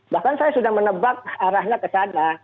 bahkan saya sudah menebak arahnya ke sana